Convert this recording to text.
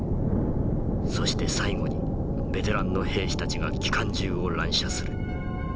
そして最後にベテランの兵士たちが機関銃を乱射する。